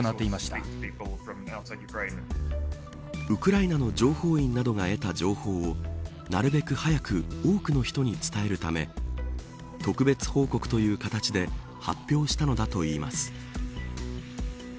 ウクライナの情報員などが得た情報をなるべく早く多くの人に伝えるため特別報告という形で発表したのだといいます。